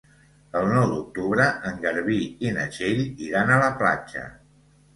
El nou d'octubre en Garbí i na Txell iran a la platja.